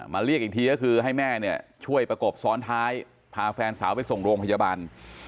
เรียกอีกทีก็คือให้แม่เนี่ยช่วยประกบซ้อนท้ายพาแฟนสาวไปส่งโรงพยาบาล